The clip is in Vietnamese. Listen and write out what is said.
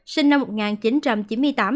sinh năm một nghìn chín trăm chín mươi tám